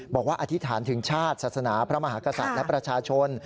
อธิษฐานถึงชาติศาสนาพระมหากษัตริย์และประชาชน